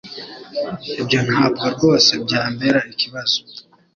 Ibyo ntabwo rwose byambera ikibazo